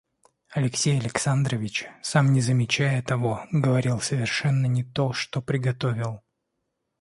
Алексей Александрович, сам не замечая того, говорил совершенно не то, что приготовил.